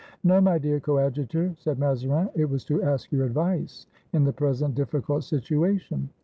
"No, my dear Coadjutor," said Mazarin, "it was to ask your advice in the present difficult situation."